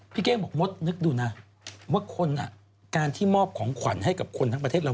เก้งบอกมดนึกดูนะว่าคนการที่มอบของขวัญให้กับคนทั้งประเทศเรา